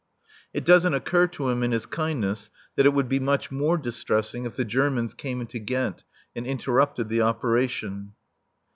It doesn't occur to him in his kindness that it would be much more distressing if the Germans came into Ghent and interrupted the operation.